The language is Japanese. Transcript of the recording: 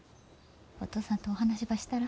お父さんとお話ばしたら？